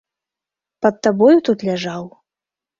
Пад табою тут ляжаў?